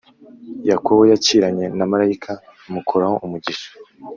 yakobo yakiranye na marayika amukuraho umugisha